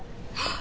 あ！